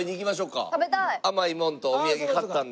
甘いもんとお土産買ったんで。